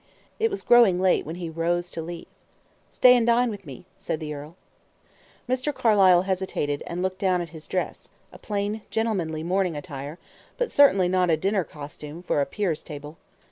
It was growing late when he rose to leave. "Stay and dine with me," said the earl. Mr. Carlyle hesitated, and looked down at his dress a plain, gentlemanly, morning attire, but certainly not a dinner costume for a peer's table.